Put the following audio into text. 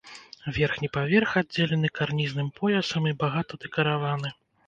Верхні паверх аддзелены карнізным поясам і багата дэкараваны.